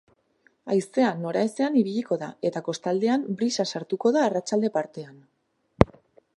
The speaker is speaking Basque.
Haizea nora ezean ibiliko da, eta kostaldean brisa sartuko da arratsalde partean.